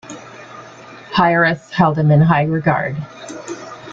Pyrrhus held him in high regard.